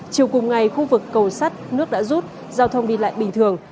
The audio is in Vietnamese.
chiều cùng ngày khu vực cầu sắt nước đã rút giao thông đi lại bình thường